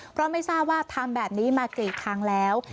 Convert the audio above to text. เพราะไม่ทราบว่าทำแบบนี้มากี่ครั้งแล้ว